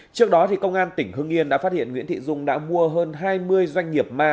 trước đó công an tỉnh hưng yên đã phát hiện nguyễn thị dung đã mua hơn hai mươi doanh nghiệp ma